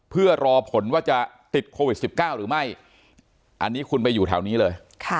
เพื่อรอผลว่าจะติดโควิด๑๙หรือไม่อันนี้คุณไปอยู่แถวนี้เลย